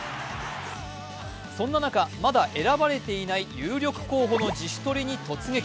そんな中、まだ選ばれていない有力候補の自主トレに突撃。